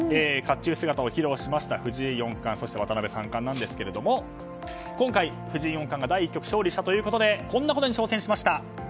甲冑姿を披露しました、藤井四冠そして渡辺三冠なんですけども今回、藤井四冠が第１局勝利したということでこんなことに挑戦しました。